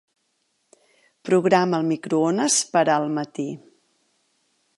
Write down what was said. Programa el microones per al matí.